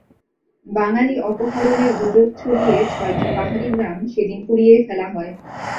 বাঙালি অপহরণের গুজব ছড়িয়ে ছয়টি পাহাড়ি গ্রাম সেদিন পুড়িয়ে ফেলা হয়।